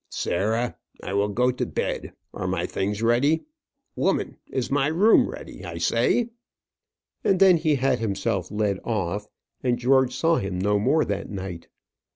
"Sarah, I will go to bed are my things ready? Woman, is my room ready, I say?" and then he had himself led off, and George saw him no more that night.